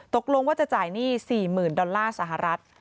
ตกลงว่าจะจ่ายหนี้๔๐๐๐ดอลลาร์สหรัฐ